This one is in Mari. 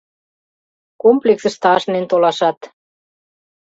Комплексыште ашнен толашат.